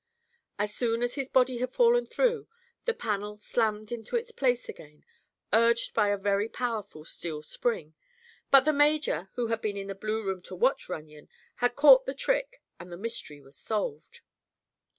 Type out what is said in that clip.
As soon as his body had fallen through, the panel slammed into place again, urged by a very powerful steel spring, but the major, who had been in the blue room to watch Runyon, had caught the trick and the mystery was solved.